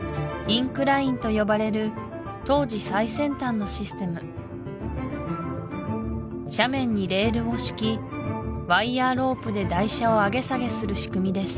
インクラインと呼ばれる当時最先端のシステム斜面にレールを敷きワイヤーロープで台車を上げ下げする仕組みです